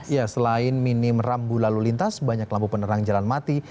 ya selain minim rambu lalu lintas banyak lampu penerang jalan mati